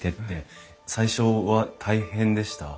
最初は大変でした？